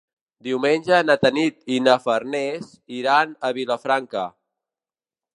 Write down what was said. Diumenge na Tanit i na Farners iran a Vilafranca.